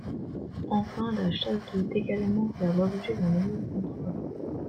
Enfin la chasse doit également faire l’objet d’un meilleur contrôle.